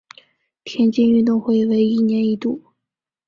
田径运动会为一年一度。